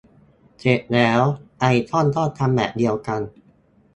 เสร็จแล้ว ไอคอนก็ทำแบบเดียวกัน